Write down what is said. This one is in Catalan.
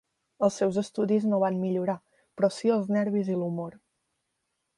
Els seus estudis no van millorar, però sí els nervis i l'humor.